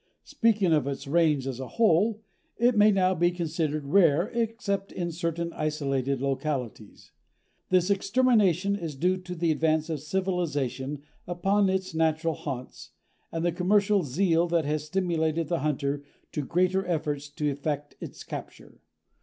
Speaking of its range as a whole, it may now be considered rare except in certain isolated localities. This extermination is due to the advance of civilization upon its natural haunts, and the commercial zeal that has stimulated the hunter to greater efforts to effect its capture.